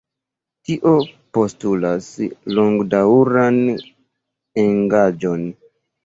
Tio postulas longdaŭran engaĝon.